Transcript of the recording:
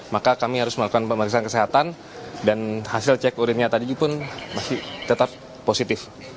maka kami harus melakukan pemeriksaan kesehatan dan hasil cek urinnya tadi pun masih tetap positif